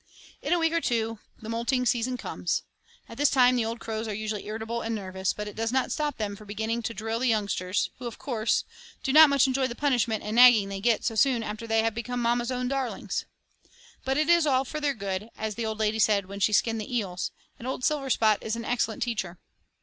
In a week or two the moulting season comes. At this time the old crows are usually irritable and nervous, but it does not stop them from beginning to drill the youngsters, who, of course, do not much enjoy the punishment and nagging they get so soon after they have been mamma's own darlings. But it is all for their good, as the old lady said when she skinned the eels, and old Silverspot is an excellent teacher.